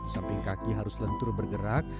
samping kaki harus lentur bergerak